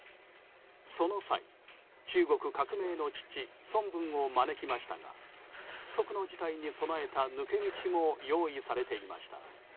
その際、中国革命の父・孫文を招きましたが不測の事態に備えた抜け道も用意されていました。